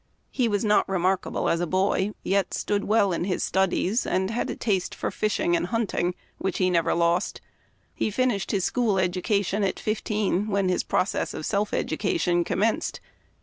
He was not remarkable as a boy, yet stood well in his studies, had a taste for fishing and hunting, which he never lost, and finished his school education at fifteen, when his process of self education commenced.